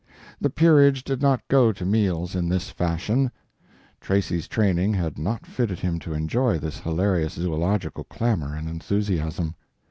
The peerage did not go to meals in this fashion; Tracy's training had not fitted him to enjoy this hilarious zoological clamor and enthusiasm.